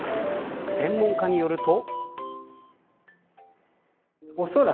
専門家によると。